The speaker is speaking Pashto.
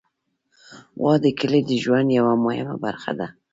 غوا د کلي د ژوند یوه مهمه برخه ده.